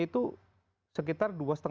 itu sekitar dua lima